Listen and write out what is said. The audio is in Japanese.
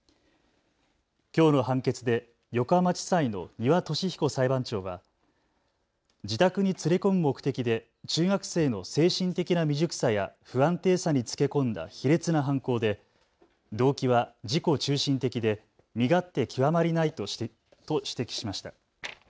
きょうの判決で横浜地裁の丹羽敏彦裁判長は自宅に連れ込む目的で中学生の精神的な未熟さや不安定さにつけ込んだ卑劣な犯行で動機は自己中心的で身勝手極まりないと指摘しました。